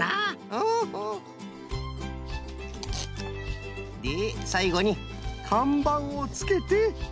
ホホ。でさいごにかんばんをつけて。